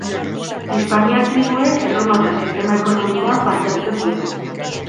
Hispaniar tribuek erromatar sistema ekonomikoan parte hartzen zuten.